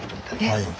はい。